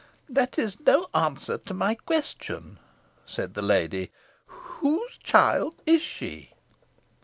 "That is no answer to my question," said the lady. "Whose child is she?"